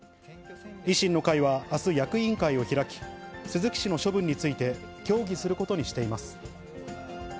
維新の会はあす、役員会を開き、鈴木氏の処分について、協議することにしています。